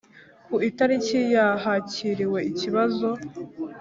Ku itariki ya hakiriwe ikibazo